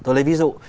tôi lấy ví dụ